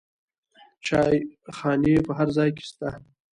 چایخانې په هر ځای کې شته.